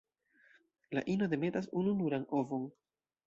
La ino demetas ununuran ovon.